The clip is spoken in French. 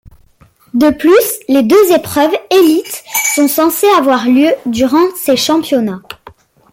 De plus, les deux épreuves élites sont censées avoir lieu durant ces championnats.